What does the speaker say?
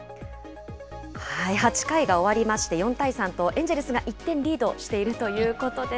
８回が終わりまして４対３と、エンジェルスが１点リードしているということでね。